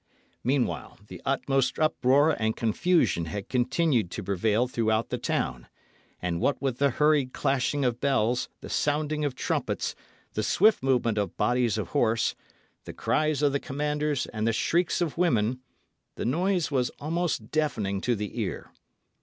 Meanwhile the utmost uproar and confusion had continued to prevail throughout the town; and what with the hurried clashing of bells, the sounding of trumpets, the swift movement of bodies of horse, the cries of the commanders, and the shrieks of women, the noise was almost deafening to the ear.